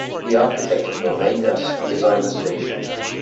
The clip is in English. The architecture firm Aedas designed the station.